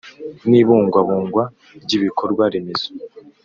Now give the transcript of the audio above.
N Ibungabungwa Ry Ibikorwa Remezo